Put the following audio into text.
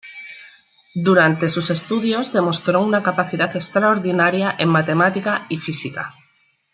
Durante sus estudios demostró una capacidad extraordinaria en Matemática y Física.